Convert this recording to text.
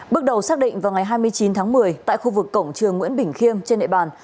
bước đầu xác định vào ngày hai mươi chín tháng một mươi tại khu vực cổng trường nguyễn bình khiêm trên nệ bàn